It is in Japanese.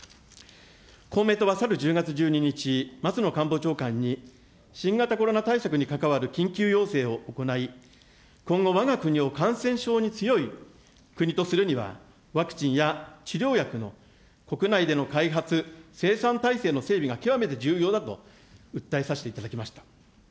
公明党はさる１０月１２日、松野官房長官に新型コロナ対策に関わる緊急要請を行い、今後、わが国を感染症に強い国とするには、ワクチンや治療薬の国内での開発、生産体制の整備が極めて重要だと訴えさせていただきました。